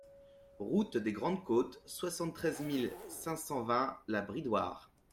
Route des Grandes Côtes, soixante-treize mille cinq cent vingt La Bridoire